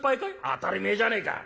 「当たり前じゃねえか。